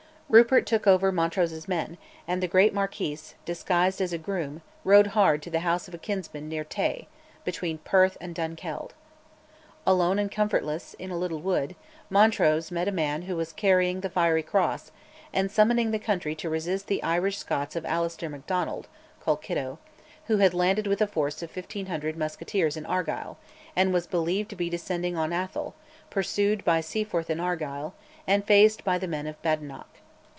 Rupert took over Montrose's men, and the great Marquis, disguised as a groom, rode hard to the house of a kinsman, near Tay, between Perth and Dunkeld. Alone and comfortless, in a little wood, Montrose met a man who was carrying the Fiery Cross, and summoning the country to resist the Irish Scots of Alastair Macdonald (Colkitto), who had landed with a force of 1500 musketeers in Argyll, and was believed to be descending on Atholl, pursued by Seaforth and Argyll, and faced by the men of Badenoch.